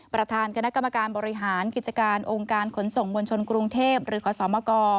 ประธานคณะกรรมการบริหารกิจการองค์การขนส่งมวลชนกรุงเทพหรือขอสมก